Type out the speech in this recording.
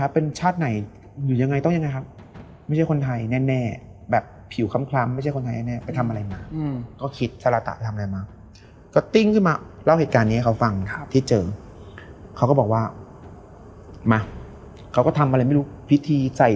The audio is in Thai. เป็นเวลาทัวร์ปกติทัวร์ไป